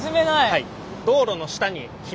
はい。